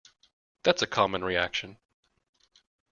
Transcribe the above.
That's a common reaction.